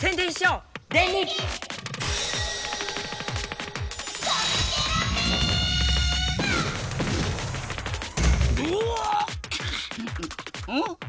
うん？